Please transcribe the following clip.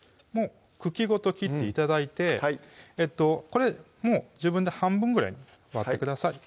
茎ごと切って頂いてこれもう自分で半分ぐらいに割ってください